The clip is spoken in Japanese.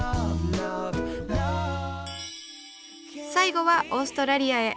最後はオーストラリアへ。